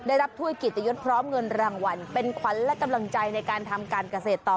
ถ้วยกิตยศพร้อมเงินรางวัลเป็นขวัญและกำลังใจในการทำการเกษตรต่อ